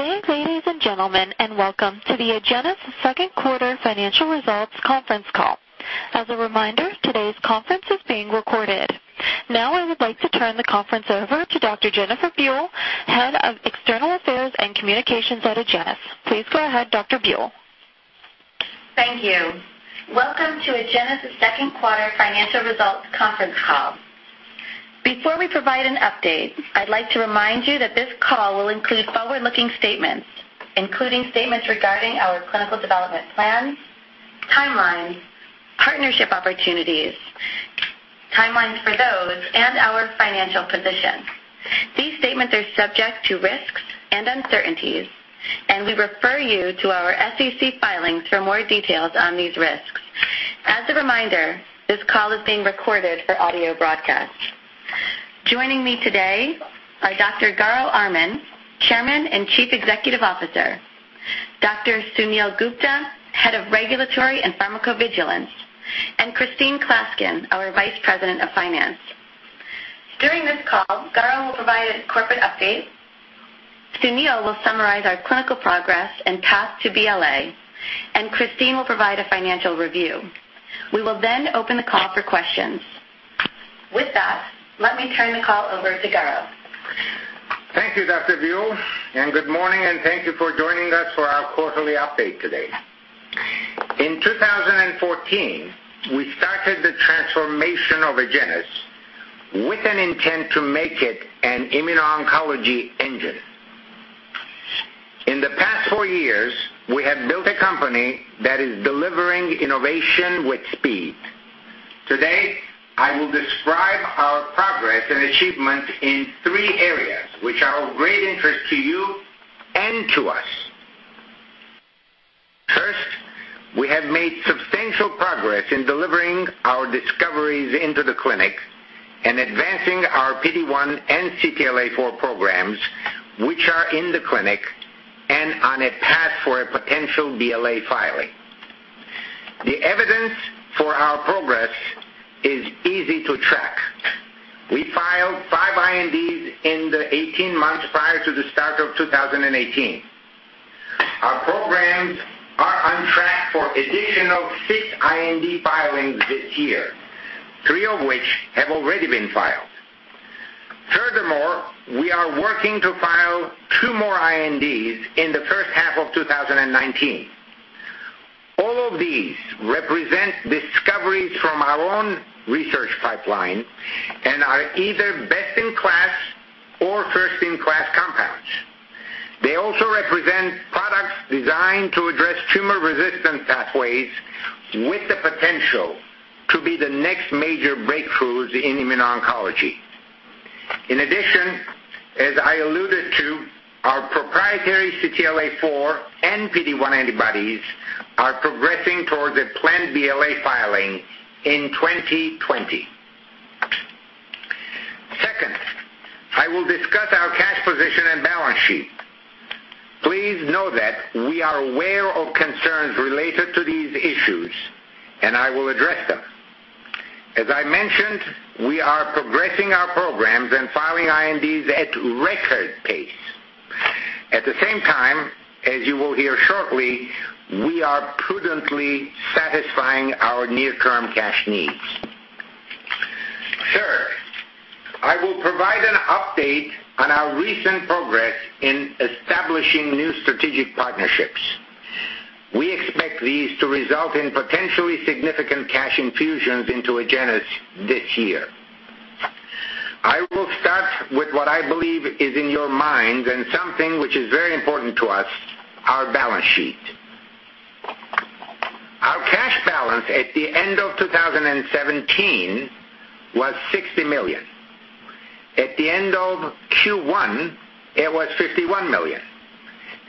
Good day, ladies and gentlemen, welcome to the Agenus Second Quarter Financial Results Conference Call. As a reminder, today's conference is being recorded. Now I would like to turn the conference over to Dr. Jennifer Buell, Head of External Affairs and Communications at Agenus. Please go ahead, Dr. Buell. Thank you. Welcome to Agenus's Second Quarter Financial Results Conference Call. Before we provide an update, I'd like to remind you that this call will include forward-looking statements, including statements regarding our clinical development plans, timelines, partnership opportunities, timelines for those, and our financial position. These statements are subject to risks and uncertainties. We refer you to our SEC filings for more details on these risks. As a reminder, this call is being recorded for audio broadcast. Joining me today are Dr. Garo Armen, Chairman and Chief Executive Officer, Dr. Sunil Gupta, Head of Regulatory and Pharmacovigilance, and Christine Klaskin, our Vice President of Finance. During this call, Garo will provide a corporate update. Sunil will summarize our clinical progress and path to BLA. Christine will provide a financial review. We will open the call for questions. With that, let me turn the call over to Garo. Thank you, Dr. Buell. Good morning, and thank you for joining us for our quarterly update today. In 2014, we started the transformation of Agenus with an intent to make it an immuno-oncology engine. In the past four years, we have built a company that is delivering innovation with speed. Today, I will describe our progress and achievements in three areas, which are of great interest to you and to us. First, we have made substantial progress in delivering our discoveries into the clinic and advancing our PD-1 and CTLA-4 programs, which are in the clinic and on a path for a potential BLA filing. The evidence for our progress is easy to track. We filed five INDs in the 18 months prior to the start of 2018. Our programs are on track for additional six IND filings this year, three of which have already been filed. Furthermore, we are working to file two more INDs in the first half of 2019. All of these represent discoveries from our own research pipeline and are either best-in-class or first-in-class compounds. They also represent products designed to address tumor-resistant pathways with the potential to be the next major breakthroughs in immuno-oncology. In addition, as I alluded to, our proprietary CTLA-4 and PD-1 antibodies are progressing towards a planned BLA filing in 2020. Second, I will discuss our cash position and balance sheet. Please know that we are aware of concerns related to these issues. I will address them. As I mentioned, we are progressing our programs and filing INDs at record pace. At the same time, as you will hear shortly, we are prudently satisfying our near-term cash needs. Third, I will provide an update on our recent progress in establishing new strategic partnerships. We expect these to result in potentially significant cash infusions into Agenus this year. I will start with what I believe is in your minds and something which is very important to us, our balance sheet. Our cash balance at the end of 2017 was $60 million. At the end of Q1, it was $51 million,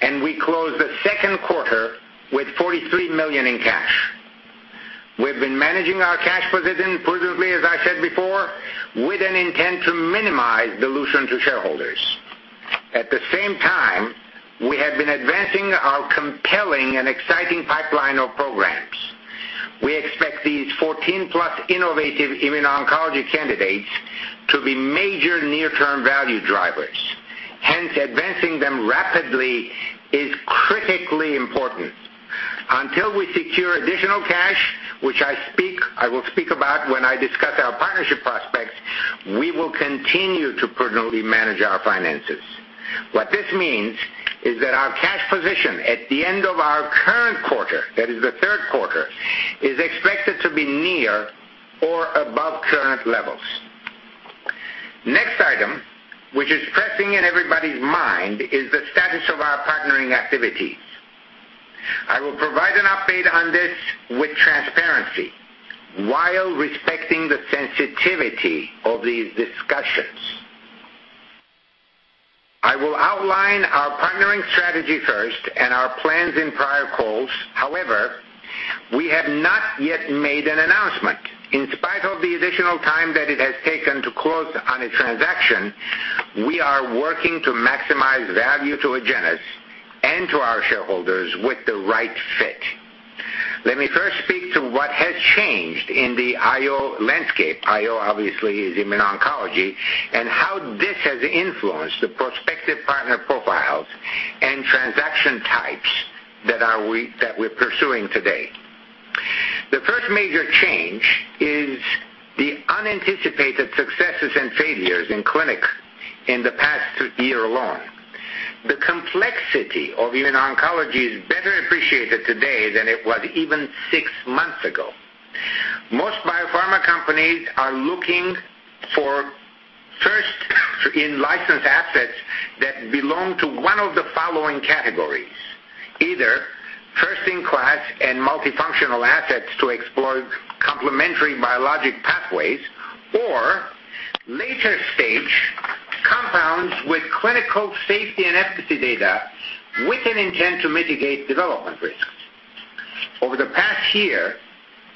and we closed the second quarter with $43 million in cash. We've been managing our cash position prudently, as I said before, with an intent to minimize dilution to shareholders. At the same time, we have been advancing our compelling and exciting pipeline of programs. We expect these 14-plus innovative immuno-oncology candidates to be major near-term value drivers. Advancing them rapidly is critically important. Until we secure additional cash, which I will speak about when I discuss our partnership prospects, we will continue to prudently manage our finances. What this means is that our cash position at the end of our current quarter, that is the third quarter, is expected to be near or above current levels. Next item, which is pressing in everybody's mind, is the status of our partnering activities. I will provide an update on this with transparency while respecting the sensitivity of these discussions. I will outline our partnering strategy first and our plans in prior calls. We have not yet made an announcement. In spite of the additional time that it has taken to close on a transaction, we are working to maximize value to Agenus and to our shareholders with the right fit. Let me first speak to what has changed in the IO landscape, IO obviously is immuno-oncology, and how this has influenced the prospective partner profiles and transaction types that we're pursuing today. The first major change is the unanticipated successes and failures in clinic in the past year alone. The complexity of immuno-oncology is better appreciated today than it was even six months ago. Most biopharma companies are looking for first in license assets that belong to one of the following categories, either first in class and multifunctional assets to explore complementary biologic pathways or later stage compounds with clinical safety and efficacy data with an intent to mitigate development risks. Over the past year,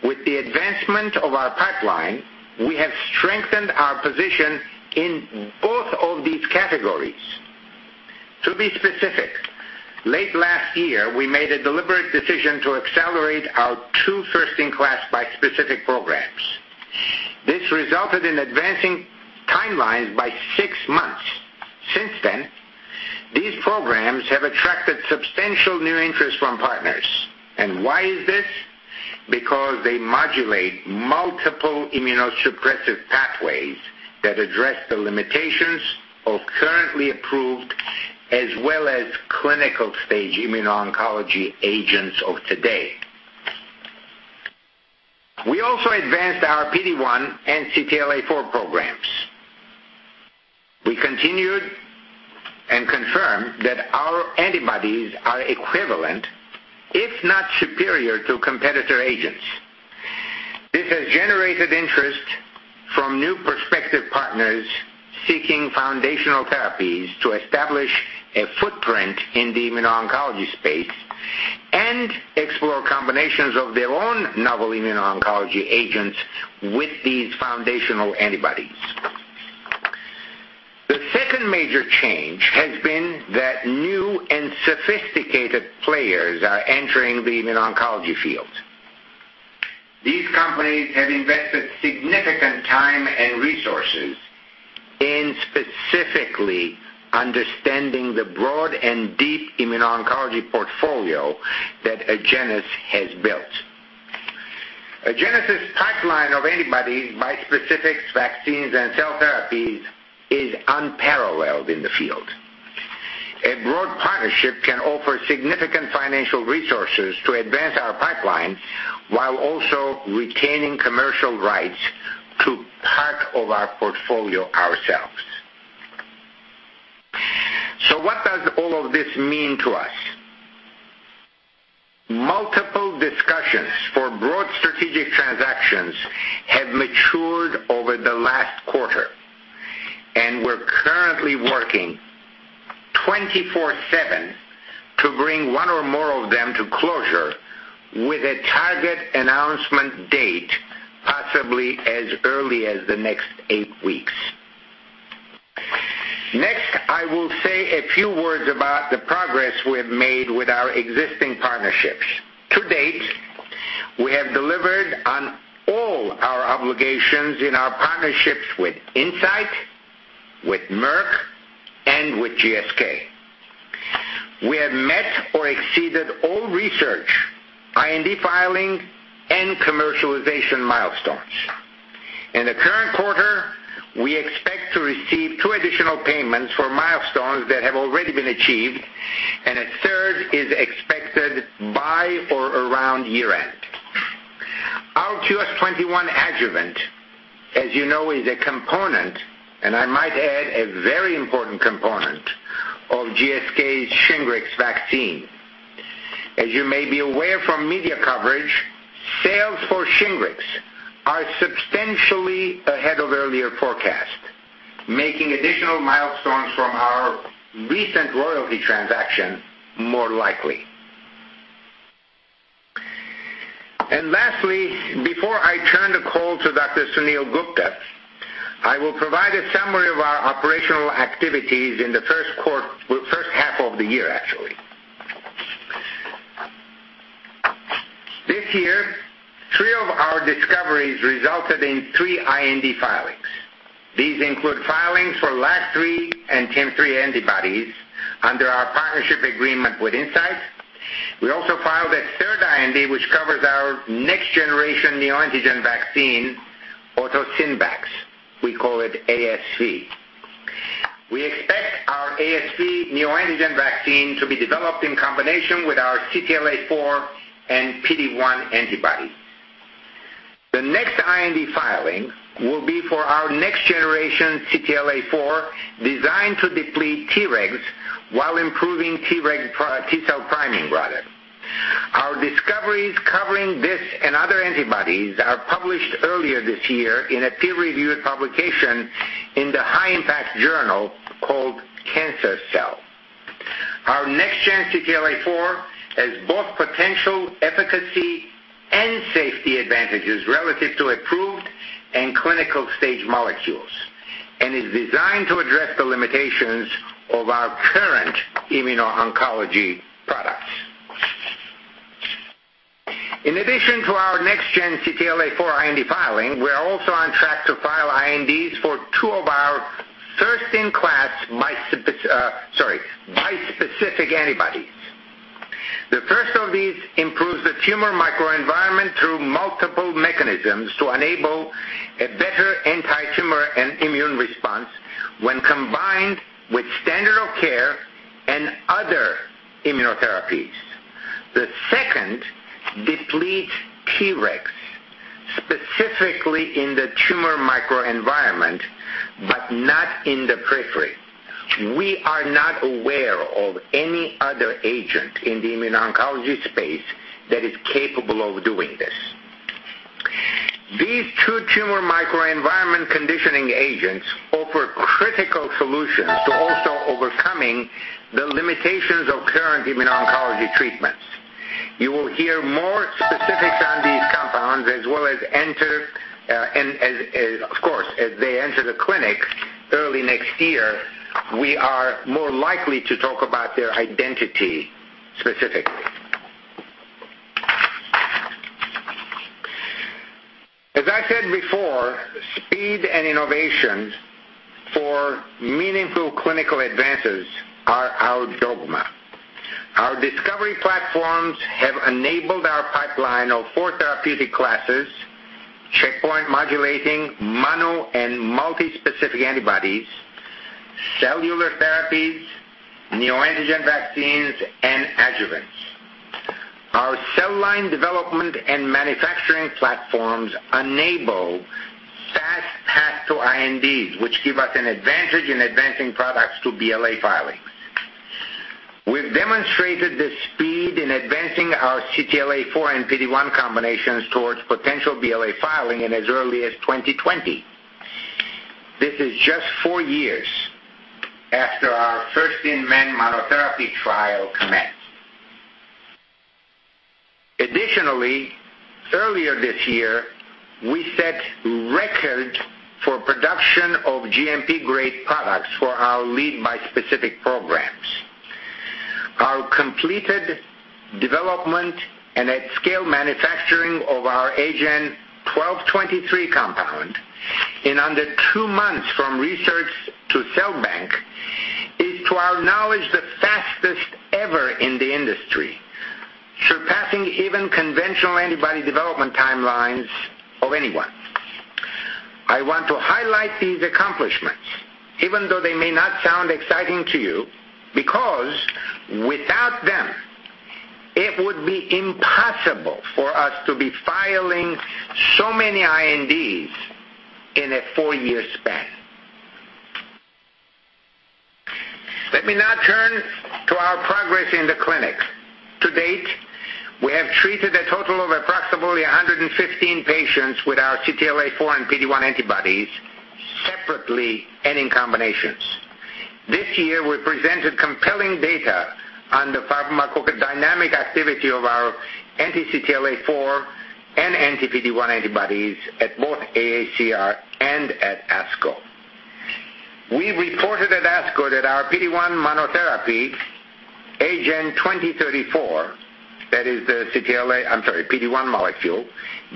with the advancement of our pipeline, we have strengthened our position in both of these categories. To be specific, late last year, we made a deliberate decision to accelerate our two first-in-class bispecific programs. This resulted in advancing timelines by six months. Since then, these programs have attracted substantial new interest from partners. Why is this? Because they modulate multiple immunosuppressive pathways that address the limitations of currently approved as well as clinical stage immuno-oncology agents of today. We also advanced our PD-1 and CTLA-4 programs. We continued and confirmed that our antibodies are equivalent, if not superior to competitor agents. This has generated interest from new prospective partners seeking foundational therapies to establish a footprint in the immuno-oncology space and explore combinations of their own novel immuno-oncology agents with these foundational antibodies. The second major change has been that new and sophisticated players are entering the immuno-oncology field. These companies have invested significant time and resources in specifically understanding the broad and deep immuno-oncology portfolio that Agenus has built. Agenus' pipeline of antibodies, bispecifics, vaccines, and cell therapies is unparalleled in the field. A broad partnership can offer significant financial resources to advance our pipeline while also retaining commercial rights to part of our portfolio ourselves. What does all of this mean to us? Multiple discussions for broad strategic transactions have matured over the last quarter. We're currently working 24/7 to bring one or more of them to closure with a target announcement date possibly as early as the next eight weeks. I will say a few words about the progress we have made with our existing partnerships. To date, we have delivered on all our obligations in our partnerships with Incyte, with Merck, and with GSK. We have met or exceeded all research, IND filing, and commercialization milestones. In the current quarter, we expect to receive two additional payments for milestones that have already been achieved, and a third is expected by or around year-end. Our QS-21 adjuvant, as you know, is a component, and I might add, a very important component of GSK's Shingrix vaccine. As you may be aware from media coverage, sales for Shingrix are substantially ahead of earlier forecasts, making additional milestones from our recent royalty transaction more likely. Lastly, before I turn the call to Dr. Sunil Gupta, I will provide a summary of our operational activities in the first half of the year actually. This year, three of our discoveries resulted in three IND filings. These include filings for LAG-3 and TIM-3 antibodies under our partnership agreement with Incyte. We also filed a third IND which covers our next generation neoantigen vaccine, AutoSynVax. We call it ASV. We expect our ASV neoantigen vaccine to be developed in combination with our CTLA-4 and PD-1 antibody. The next IND filing will be for our next generation CTLA-4 designed to deplete T-regs while improving T cell priming rather. Our discoveries covering this and other antibodies are published earlier this year in a peer-reviewed publication in the high impact journal called Cancer Cell. Our next gen CTLA-4 has both potential efficacy and safety advantages relative to approved and clinical stage molecules. Is designed to address the limitations of our current immuno-oncology products. In addition to our next gen CTLA-4 IND filing, we are also on track to file INDs for two of our first-in-class bispecific antibodies. The first of these improves the tumor microenvironment through multiple mechanisms to enable a better anti-tumor and immune response when combined with standard of care and other immunotherapies. The second depletes T-regs, specifically in the tumor microenvironment, but not in the periphery. We are not aware of any other agent in the immuno-oncology space that is capable of doing this. These two tumor microenvironment conditioning agents offer critical solutions to also overcoming the limitations of current immuno-oncology treatments. You will hear more specifics on these compounds as well as, of course, as they enter the clinic early next year, we are more likely to talk about their identity specifically. As I said before, speed and innovation for meaningful clinical advances are our dogma. Our discovery platforms have enabled our pipeline of four therapeutic classes, checkpoint modulating, mono and multi-specific antibodies, cellular therapies, neoantigen vaccines, and adjuvants. Our cell line development and manufacturing platforms enable fast path to IND, which give us an advantage in advancing products to BLA filings. We've demonstrated the speed in advancing our CTLA-4 and PD-1 combinations towards potential BLA filing in as early as 2020. This is just four years after our first in-man monotherapy trial commenced. Additionally, earlier this year, we set records for production of GMP-grade products for our lead bispecific programs. Our completed development and at-scale manufacturing of our AGEN1223 compound in under two months from research to cell bank is, to our knowledge, the fastest ever in the industry, surpassing even conventional antibody development timelines of anyone. I want to highlight these accomplishments, even though they may not sound exciting to you, because without them, it would be impossible for us to be filing so many INDs in a four-year span. Let me now turn to our progress in the clinic. To date, we have treated a total of approximately 115 patients with our CTLA-4 and PD-1 antibodies separately and in combinations. This year, we presented compelling data on the pharmacodynamic activity of our anti-CTLA-4 and anti-PD-1 antibodies at both AACR and at ASCO. We reported at ASCO that our PD-1 monotherapy, AGEN2034, that is the PD-1 molecule,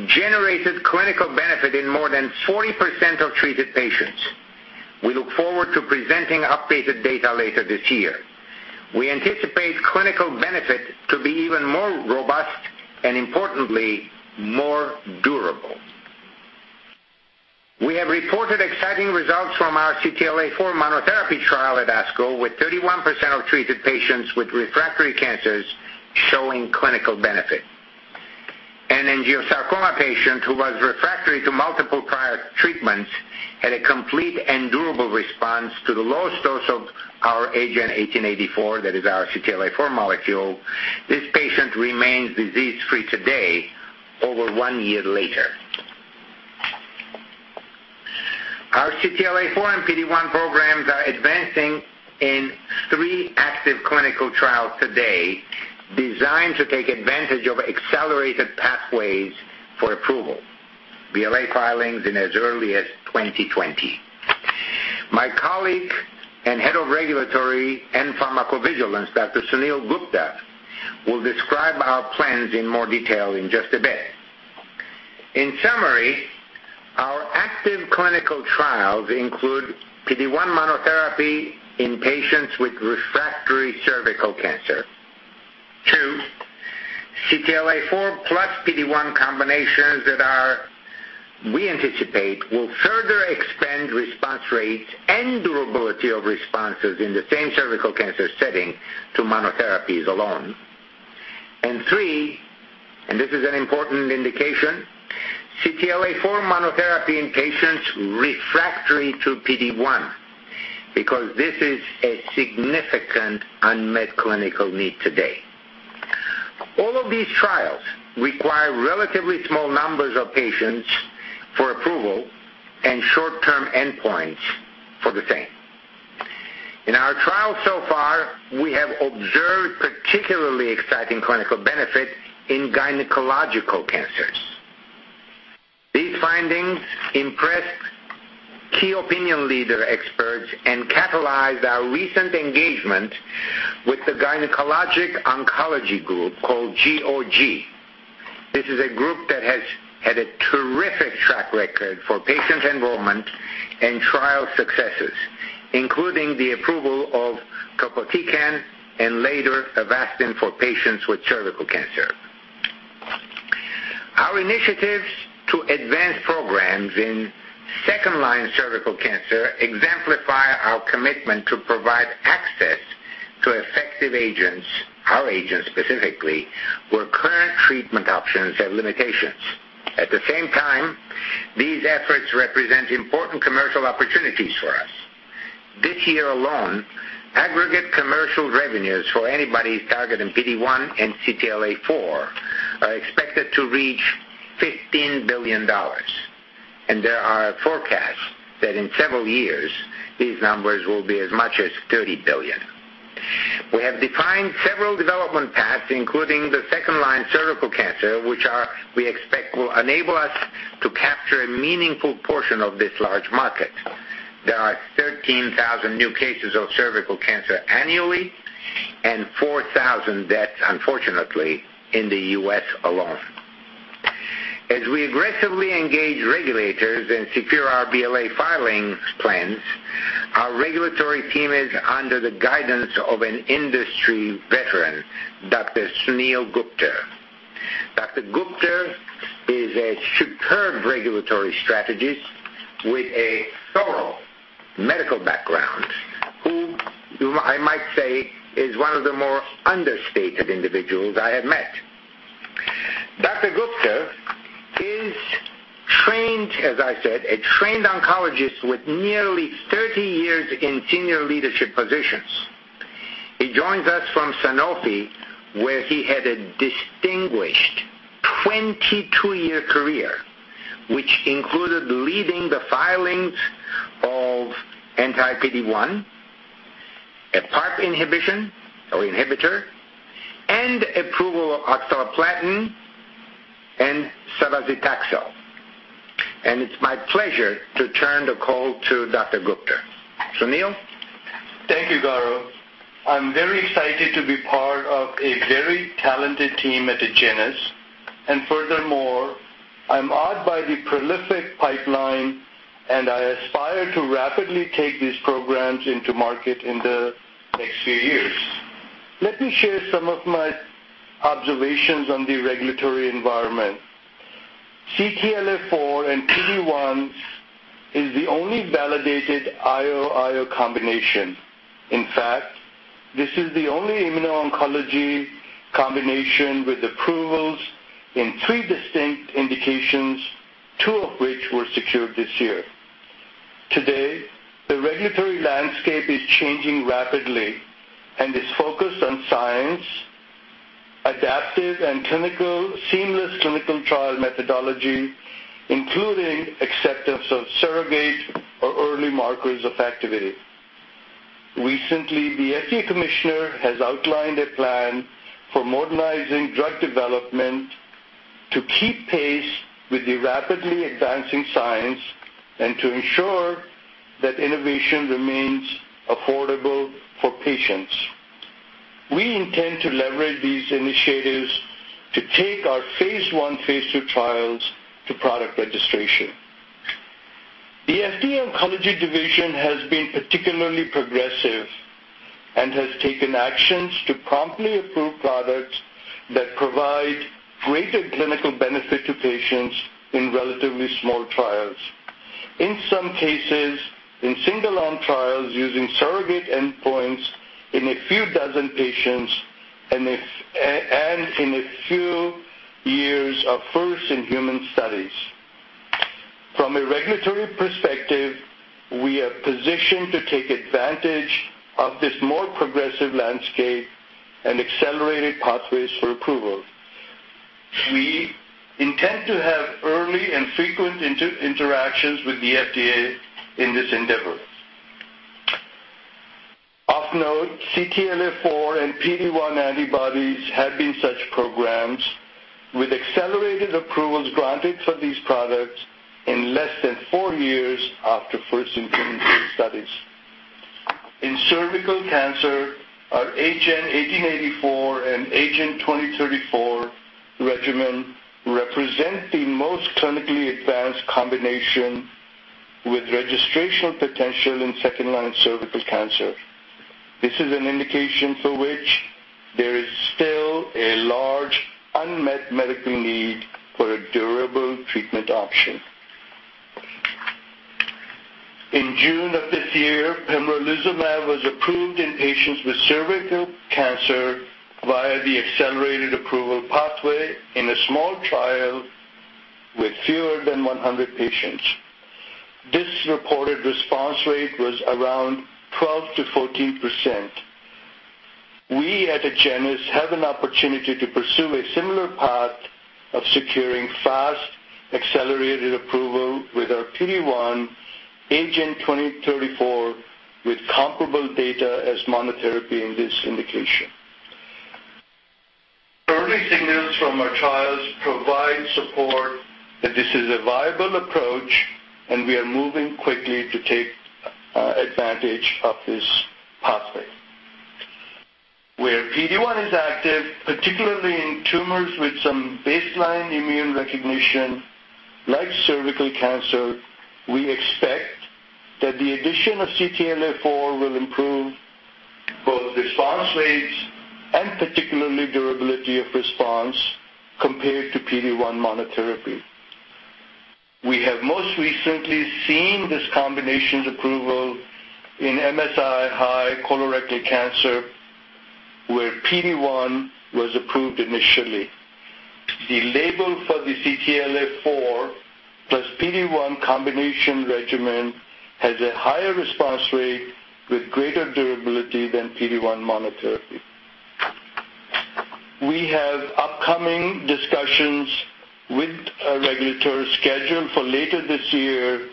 generated clinical benefit in more than 40% of treated patients. We look forward to presenting updated data later this year. We anticipate clinical benefit to be even more robust and importantly, more durable. We have reported exciting results from our CTLA-4 monotherapy trial at ASCO, with 31% of treated patients with refractory cancers showing clinical benefit. An angiosarcoma patient who was refractory to multiple prior treatments had a complete and durable response to the lowest dose of our AGEN1884, that is our CTLA-4 molecule. This patient remains disease-free today, over one year later. Our CTLA-4 and PD-1 programs are advancing in three active clinical trials today designed to take advantage of accelerated pathways for approval, BLA filings in as early as 2020. My colleague and head of regulatory and pharmacovigilance, Dr. Sunil Gupta, will describe our plans in more detail in just a bit. In summary, our active clinical trials include PD-1 monotherapy in patients with refractory cervical cancer. Two, CTLA-4 plus PD-1 combinations that are, we anticipate, will further expand response rates and durability of responses in the same cervical cancer setting to monotherapies alone. Three, this is an important indication, CTLA-4 monotherapy in patients refractory to PD-1, because this is a significant unmet clinical need today. All of these trials require relatively small numbers of patients for approval and short-term endpoints for the same. In our trial so far, we have observed particularly exciting clinical benefit in gynecological cancers. These findings impressed key opinion leader experts and catalyzed our recent engagement with the Gynecologic Oncology Group called GOG. This is a group that has had a terrific track record for patient enrollment and trial successes, including the approval of topotecan and later Avastin for patients with cervical cancer. Our initiatives to advance programs in second-line cervical cancer exemplify our commitment to provide access to effective agents, our agents specifically, where current treatment options have limitations. At the same time, these efforts represent important commercial opportunities for us. This year alone, aggregate commercial revenues for anybody targeting PD-1 and CTLA-4 are expected to reach $15 billion. There are forecasts that in several years, these numbers will be as much as $30 billion. We have defined several development paths, including the second-line cervical cancer, which we expect will enable us to capture a meaningful portion of this large market. There are 13,000 new cases of cervical cancer annually and 4,000 deaths, unfortunately, in the U.S. alone. As we aggressively engage regulators and secure our BLA filing plans, our regulatory team is under the guidance of an industry veteran, Dr. Sunil Gupta. Dr. Gupta is a superb regulatory strategist with a thorough medical background, who I might say is one of the more understated individuals I have met. Dr. Gupta is, as I said, a trained oncologist with nearly 30 years in senior leadership positions. He joins us from Sanofi, where he had a distinguished 22-year career, which included leading the filings of anti-PD-1, a PARP inhibition or inhibitor, and approval of oxaliplatin and cabazitaxel. It's my pleasure to turn the call to Dr. Gupta. Sunil? Thank you, Garo. I'm very excited to be part of a very talented team at Agenus. Furthermore, I'm awed by the prolific pipeline, and I aspire to rapidly take these programs into market in the next few years. Let me share some of my observations on the regulatory environment. CTLA-4 and PD-1 is the only validated IO combination. In fact, this is the only immuno-oncology combination with approvals in three distinct indications, two of which were secured this year. Today, the regulatory landscape is changing rapidly and is focused on science, adaptive, and seamless clinical trial methodology, including acceptance of surrogate or early markers of activity. Recently, the FDA commissioner has outlined a plan for modernizing drug development to keep pace with the rapidly advancing science and to ensure that innovation remains affordable for patients. We intend to leverage these initiatives to take our phase I, phase II trials to product registration. The FDA oncology division has been particularly progressive and has taken actions to promptly approve products that provide greater clinical benefit to patients in relatively small trials. In some cases, in single-arm trials using surrogate endpoints in a few dozen patients and in a few years of first-in-human studies. From a regulatory perspective, we are positioned to take advantage of this more progressive landscape and accelerated pathways for approval. We intend to have early and frequent interactions with the FDA in this endeavor. Of note, CTLA-4 and PD-1 antibodies have been such programs with accelerated approvals granted for these products in less than four years after first in clinical studies. In cervical cancer, our AGEN1884 and AGEN2034 regimen represent the most clinically advanced combination with registrational potential in second-line cervical cancer. This is an indication for which there is still a large unmet medical need for a durable treatment option. In June of this year, pembrolizumab was approved in patients with cervical cancer via the accelerated approval pathway in a small trial with fewer than 100 patients. This reported response rate was around 12%-14%. We at Agenus have an opportunity to pursue a similar path of securing fast, accelerated approval with our PD-1 AGEN2034 with comparable data as monotherapy in this indication. Early signals from our trials provide support that this is a viable approach, and we are moving quickly to take advantage of this pathway. Where PD-1 is active, particularly in tumors with some baseline immune recognition like cervical cancer, we expect that the addition of CTLA-4 will improve both response rates and particularly durability of response compared to PD-1 monotherapy. We have most recently seen this combination's approval in MSI-high colorectal cancer, where PD-1 was approved initially. The label for the CTLA-4 plus PD-1 combination regimen has a higher response rate with greater durability than PD-1 monotherapy. We have upcoming discussions with regulators scheduled for later this year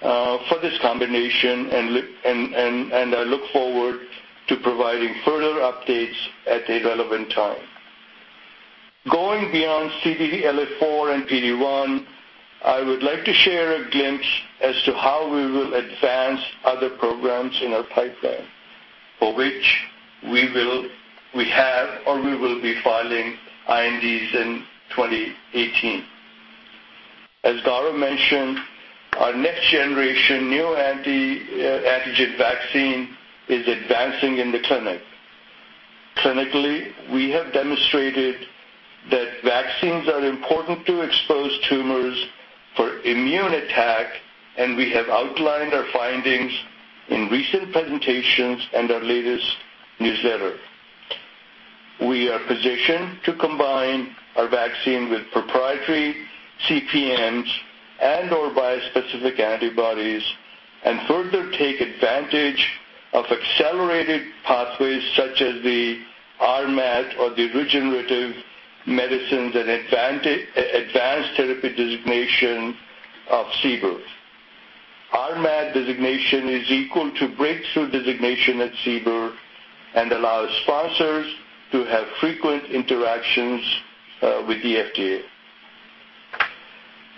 for this combination, and I look forward to providing further updates at a relevant time. Going beyond CTLA-4 and PD-1, I would like to share a glimpse as to how we will advance other programs in our pipeline, for which we have or we will be filing INDs in 2018. As Garo mentioned, our next generation neoantigen vaccine is advancing in the clinic. Clinically, we have demonstrated that vaccines are important to expose tumors for immune attack, and we have outlined our findings in recent presentations and our latest newsletter. We are positioned to combine our vaccine with proprietary CPIs and/or bispecific antibodies and further take advantage of accelerated pathways such as the RMAT or the Regenerative Medicine Advanced Therapy designation of CBER. RMAT designation is equal to breakthrough designation at CBER and allows sponsors to have frequent interactions with the FDA.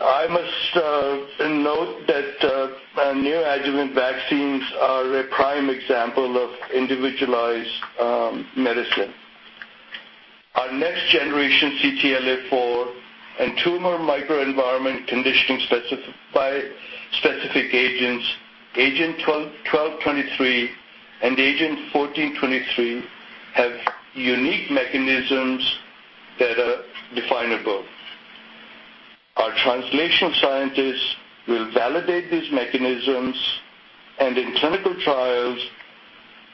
I must note that our neo-adjuvant vaccines are a prime example of individualized medicine. Our next generation CTLA-4 and tumor microenvironment conditioning specific agents, AGEN1223 and AGEN1423, have unique mechanisms that are definable. Our translational scientists will validate these mechanisms and in clinical trials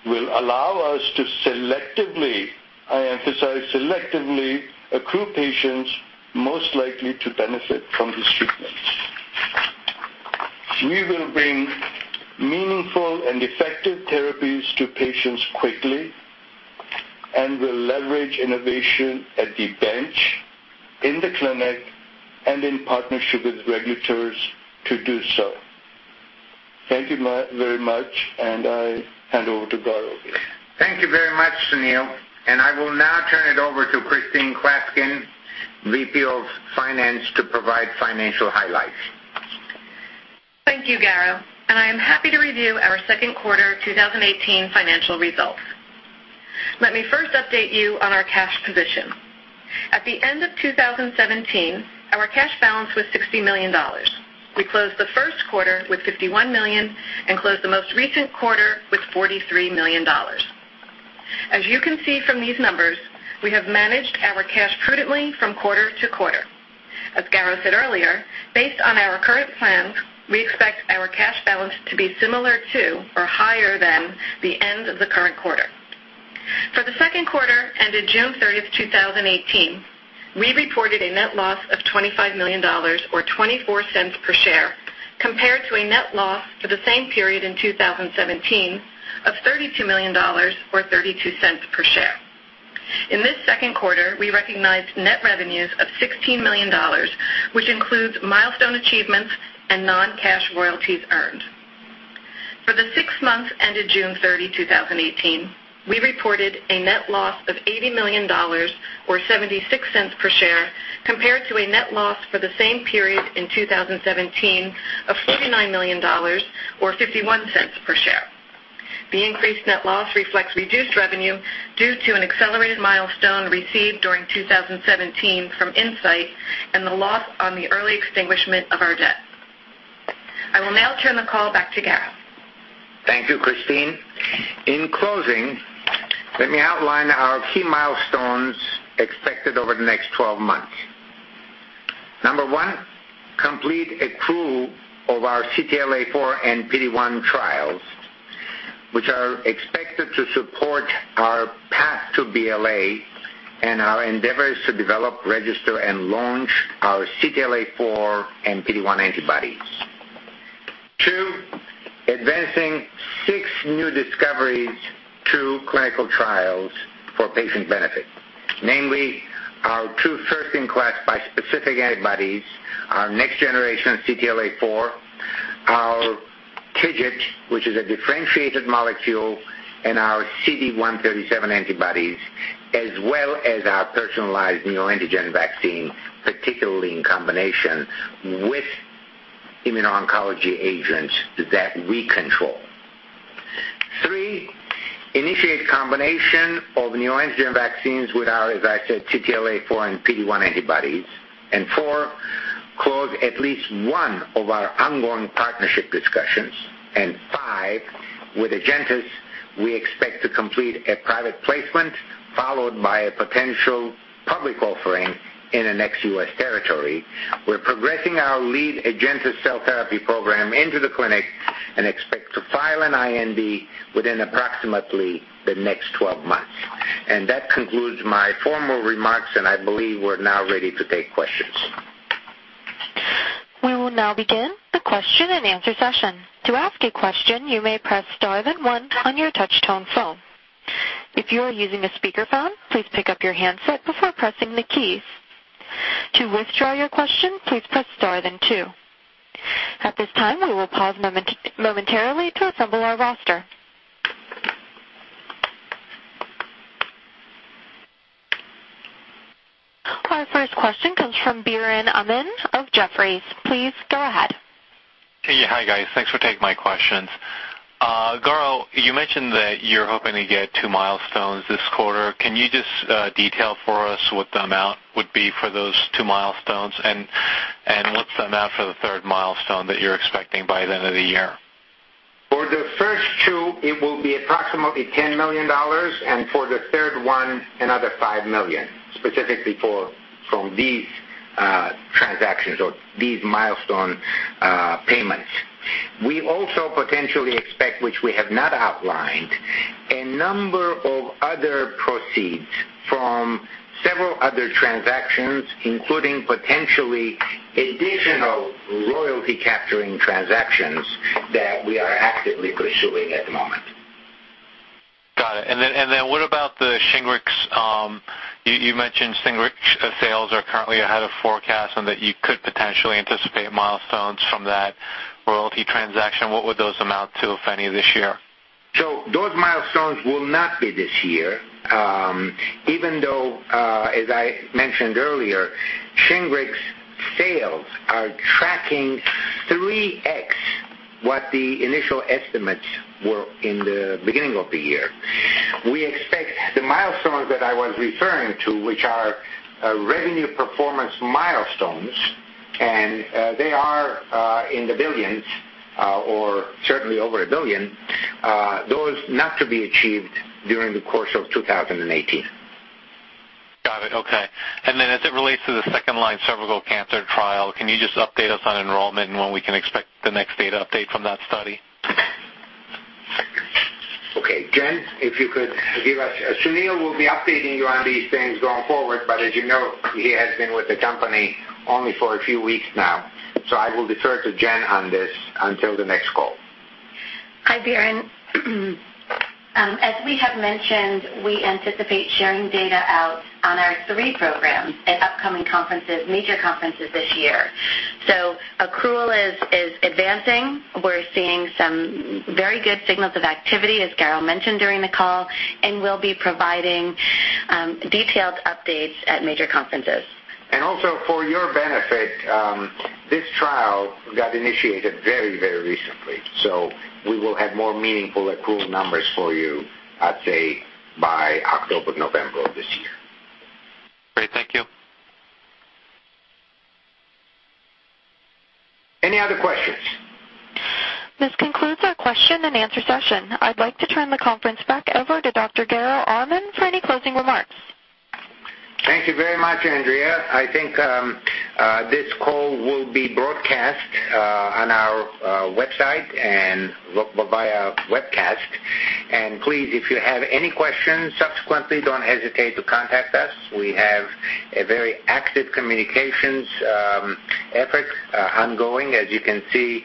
will allow us to selectively, I emphasize selectively, accrue patients most likely to benefit from these treatments. We will bring meaningful and effective therapies to patients quickly and will leverage innovation at the bench, in the clinic, and in partnership with regulators to do so. Thank you very much. I hand over to Garo. Thank you very much, Sunil. I will now turn it over to Christine Klaskin, VP of Finance, to provide financial highlights. Thank you, Garo. I am happy to review our second quarter 2018 financial results. Let me first update you on our cash position. At the end of 2017, our cash balance was $60 million. We closed the first quarter with $51 million and closed the most recent quarter with $43 million. As you can see from these numbers, we have managed our cash prudently from quarter to quarter. As Garo said earlier, based on our current plans, we expect our cash balance to be similar to or higher than the end of the current quarter. For the second quarter ended June 30, 2018, we reported a net loss of $25 million or $0.24 per share compared to a net loss for the same period in 2017 of $32 million or $0.32 per share. In this second quarter, we recognized net revenues of $16 million, which includes milestone achievements and non-cash royalties earned. For the six months ended June 30, 2018, we reported a net loss of $80 million or $0.76 per share compared to a net loss for the same period in 2017 of $49 million or $0.51 per share. The increased net loss reflects reduced revenue due to an accelerated milestone received during 2017 from Incyte and the loss on the early extinguishment of our debt. I will now turn the call back to Garo. Thank you, Christine. In closing, let me outline our key milestones expected over the next 12 months. 1, complete accrual of our CTLA-4 and PD-1 trials, which are expected to support our path to BLA and our endeavors to develop, register, and launch our CTLA-4 and PD-1 antibodies. 2, advancing six new discoveries to clinical trials for patient benefit. Namely, our two first-in-class bispecific antibodies, our next generation CTLA-4, our TIGIT, which is a differentiated molecule, and our CD137 antibodies, as well as our personalized neoantigen vaccine, particularly in combination with immuno-oncology agents that we control. 3, initiate combination of neoantigen vaccines with our, as I said, CTLA-4 and PD-1 antibodies. 4, close at least one of our ongoing partnership discussions. 5, with AgenTIS, we expect to complete a private placement followed by a potential public offering in an ex-U.S. territory. We're progressing our lead AgenTIS cell therapy program into the clinic and expect to file an IND within approximately the next 12 months. That concludes my formal remarks, and I believe we're now ready to take questions. We will now begin the question and answer session. To ask a question, you may press star then one on your touch tone phone. If you are using a speakerphone, please pick up your handset before pressing the keys. To withdraw your question, please press star then two. At this time, we will pause momentarily to assemble our roster. Our first question comes from Biren Amin of Jefferies. Please go ahead. Hey. Hi, guys. Thanks for taking my questions. Garo, you mentioned that you're hoping to get two milestones this quarter. Can you just detail for us what the amount would be for those two milestones, and what's the amount for the third milestone that you're expecting by the end of the year? For the first two, it will be approximately $10 million, and for the third one, another $5 million, specifically from these transactions or these milestone payments. We also potentially expect, which we have not outlined, a number of other proceeds from several other transactions, including potentially additional royalty capturing transactions that we are actively pursuing at the moment. Got it. What about the Shingrix? You mentioned Shingrix sales are currently ahead of forecast and that you could potentially anticipate milestones from that royalty transaction. What would those amount to if any this year? Those milestones will not be this year. Even though, as I mentioned earlier, Shingrix sales are tracking 3X what the initial estimates were in the beginning of the year. We expect the milestones that I was referring to, which are revenue performance milestones, and they are in the $billions, or certainly over $1 billion, those not to be achieved during the course of 2018. Got it. Okay. As it relates to the second-line cervical cancer trial, can you just update us on enrollment and when we can expect the next data update from that study? Okay. Jen, Sunil will be updating you on these things going forward, but as you know, he has been with the company only for a few weeks now, so I will defer to Jen on this until the next call. Hi, Biren. As we have mentioned, we anticipate sharing data out on our three programs at upcoming major conferences this year. Accrual is advancing. We're seeing some very good signals of activity, as Garo mentioned during the call, and we'll be providing detailed updates at major conferences. Also, for your benefit, this trial got initiated very, very recently. We will have more meaningful accrual numbers for you, I'd say, by October, November of this year. Great. Thank you. Any other questions? This concludes our question and answer session. I'd like to turn the conference back over to Dr. Garo Armen for any closing remarks. Thank you very much, Andrea. This call will be broadcast on our website and via webcast. Please, if you have any questions subsequently, don't hesitate to contact us. We have a very active communications effort ongoing, as you can see,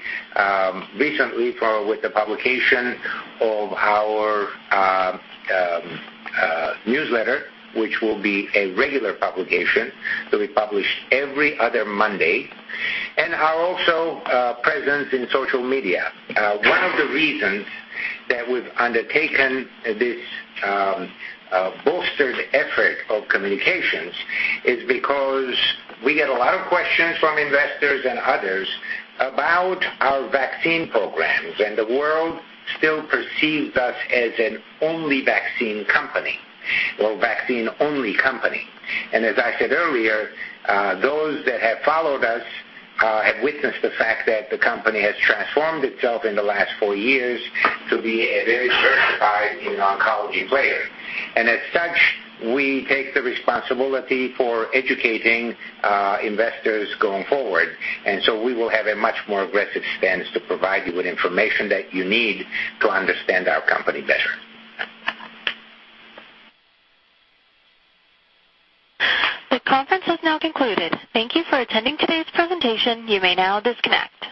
recently with the publication of our newsletter, which will be a regular publication to be published every other Monday, and our also presence in social media. One of the reasons that we've undertaken this bolstered effort of communications is because we get a lot of questions from investors and others about our vaccine programs, and the world still perceives us as an only vaccine company or vaccine-only company. As I said earlier, those that have followed us, have witnessed the fact that the company has transformed itself in the last four years to be a very diversified immuno-oncology player. As such, we take the responsibility for educating investors going forward. We will have a much more aggressive stance to provide you with information that you need to understand our company better. The conference has now concluded. Thank you for attending today's presentation. You may now disconnect.